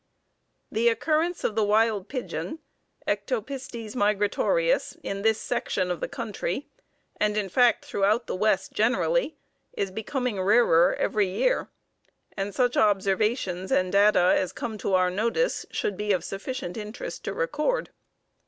The occurrence of the wild pigeon (Ectopistes migratorius) in this section of the country, and, in fact, throughout the West generally, is becoming rarer every year, and such observations and data as come to our notice should be of sufficient interest to record.